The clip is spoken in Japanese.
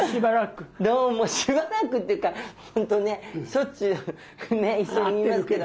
どうもしばらくっていうか本当ねしょっちゅうね一緒にいますけど。